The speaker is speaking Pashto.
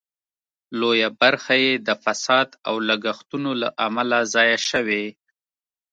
لویه برخه یې د فساد او لګښتونو له امله ضایع شوې.